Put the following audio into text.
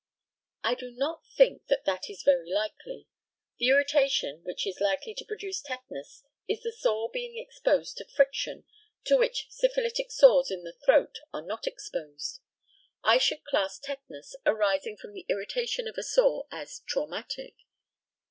I do not think that that is very likely. The irritation which is likely to produce tetanus is the sore being exposed to friction, to which syphilitic sores in the throat are not exposed. I should class tetanus arising from the irritation of a sore as "traumatic."